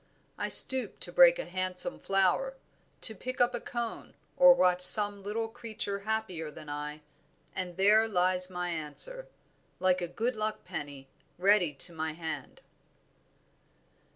I stoop to break a handsome flower, to pick up a cone, or watch some little creature happier than I, and there lies my answer, like a good luck penny, ready to my hand."